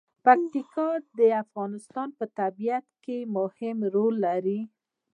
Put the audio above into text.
پکتیکا د افغانستان په طبیعت کې مهم رول لري.